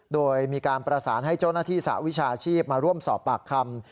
โดยมีการประสานให้เจ้าหน้าที่สหวิชาชีพมาร่วมสอบปากคำ